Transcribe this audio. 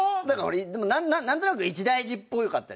でも何となく一大事っぽかったじゃん。